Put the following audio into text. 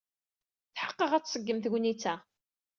Tḥeqqeɣ ad tṣeggem tegnit-a.